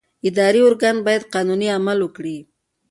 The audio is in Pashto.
اداري ارګان باید قانوني عمل وکړي.